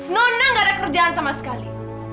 nona gak ada kerjaan sama sekali